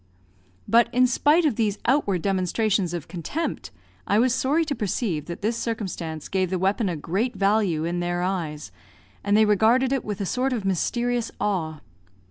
But, in spite of these outward demonstrations of contempt, I was sorry to perceive that this circumstance gave the weapon a great value, in their eyes, and they regarded it with a sort of mysterious awe.